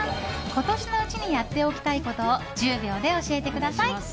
今年のうちにやっておきたいことを１０秒で教えてください。